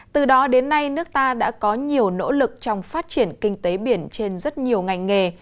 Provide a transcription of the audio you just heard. từ đó đến nay nước ta đã có nhiều nỗ lực trong phát triển kinh tế biển trên rất nhiều ngành nghề